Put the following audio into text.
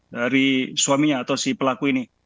dari suaminya atau si pelaku ini